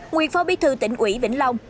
nguyên phó bí thư tỉnh ủy vĩnh long